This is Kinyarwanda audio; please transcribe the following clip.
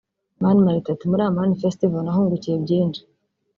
Mani Martin ati “Muri Amani Festival nahungukiye byinshi